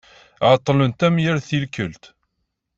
Ɛeṭṭlent, am yal tikelt.